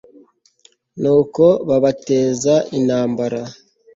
nuko babateza intambara